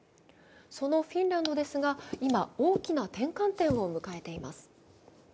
そのフィンランドですが、今、大きな転換点を迎えています。